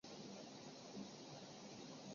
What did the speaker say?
她是美军第三艘以亚利桑那州为名的军舰。